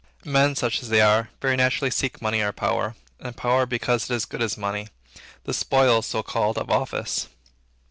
Men such as they are, very naturally seek money or power; and power because it is as good as money, the "spoils," so called, "of office."